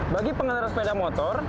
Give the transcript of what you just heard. bagi pengendara sepeda motor